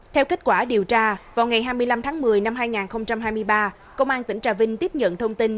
theo kết quả điều tra vào ngày hai mươi năm tháng một mươi năm hai nghìn hai mươi ba công an tỉnh trà vinh tiếp nhận thông tin